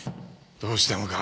どうしてもか？